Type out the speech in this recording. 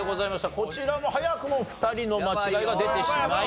こちらも早くも２人の間違いが出てしまいました。